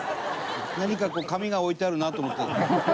何かこう紙が置いてあるなと思って。